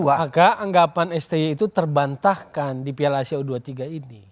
maka anggapan sti itu terbantahkan di piala asia u dua puluh tiga ini